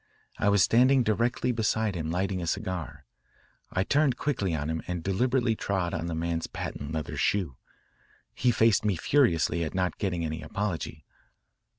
I was standing directly beside him lighting a cigar. I turned quickly on him and deliberately trod on the man's patent leather shoe. He faced me furiously at not getting any apology.